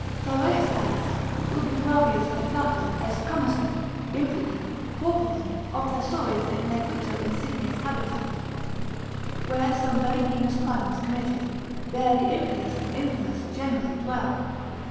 Thyreus adds, ubi gravius peccatum est commissum, impii, pauperum oppressores et nequiter insignes habitant (where some very heinous crime was committed, there the impious and infamous generally dwell).